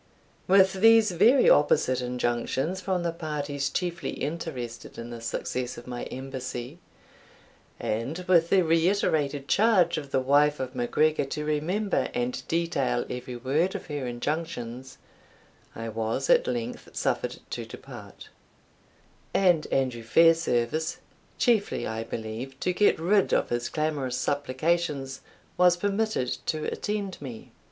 With these very opposite injunctions from the parties chiefly interested in the success of my embassy, and with the reiterated charge of the wife of MacGregor to remember and detail every word of her injunctions, I was at length suffered to depart; and Andrew Fairservice, chiefly, I believe, to get rid of his clamorous supplications, was permitted to attend me.